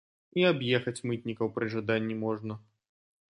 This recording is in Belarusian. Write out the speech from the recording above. І аб'ехаць мытнікаў пры жаданні можна.